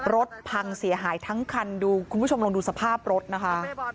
รถพังเสียหายทั้งคันดูคุณผู้ชมลองดูสภาพรถนะคะ